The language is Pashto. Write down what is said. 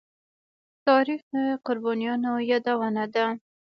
تاریخ د قربانيو يادونه ده.